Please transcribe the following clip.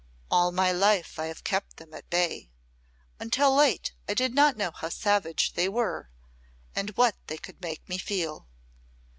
All my life I have kept them at bay. Until late I did not know how savage they were and what they could make me feel.